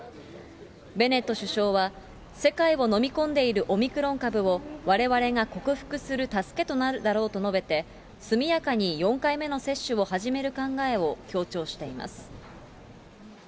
ベネット首相は、世界を飲み込んでいるオミクロン株をわれわれが克服する助けとなるだろうと述べて、速やかに４回目の接種を始める考えを強調しています。